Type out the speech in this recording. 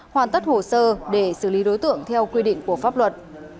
hoàn tất hồ sơ để xử lý đối tượng theo quy định của pháp luật